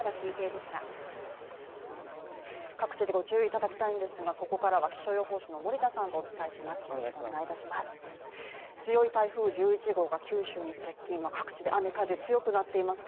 各地でご注意いただきたいんですがここからは気象予報士の森田さんとお伝えします。